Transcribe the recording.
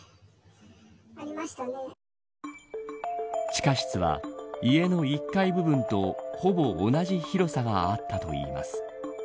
地下室は、家の１階部分とほぼ同じ広さがあったといいます。